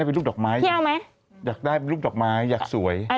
ให้เป็นรูปดอกไม้อยากได้เป็นรูปดอกไม้อยากสวยพี่เอาไหม